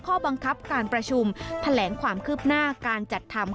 ข้อบังคับการประชุมแถลงความคืบหน้าการจัดทำ